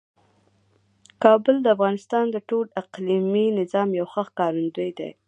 کابل د افغانستان د ټول اقلیمي نظام یو ښه ښکارندوی دی.